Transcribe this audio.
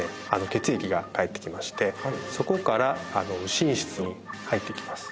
血液がかえってきましてそこから右心室に入っていきます